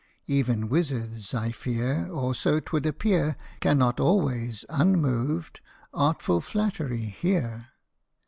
Even wizards, I fear, or so 't would appear, Cannot always, unmoved, artful flattery hear.